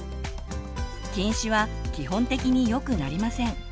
近視は基本的によくなりません。